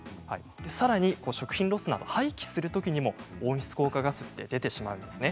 さらに食品ロスなど廃棄されるときにも温室効果ガスが出てしまうんですね。